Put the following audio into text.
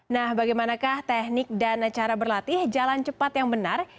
nah bagaimanakah teknik dan cara berlatih jalan cepat yang benar